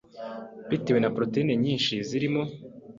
bitewe na proteyine nyinshi zirimo